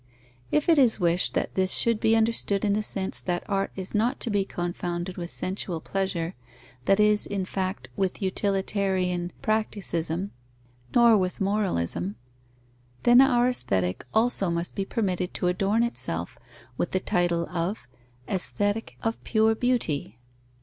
If it is wished that this should be understood in the sense that art is not to be confounded with sensual pleasure, that is, in fact, with utilitarian practicism, nor with moralism, then our Aesthetic also must be permitted to adorn itself with the title of Aesthetic of pure beauty.